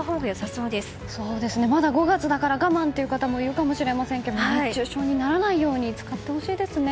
そうですね、まだ５月だから我慢という方もいるかもしれませんが熱中症にならないように使ってほしいですね。